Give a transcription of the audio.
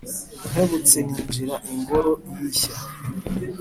Nkebutse ninjira ingoro y’ishya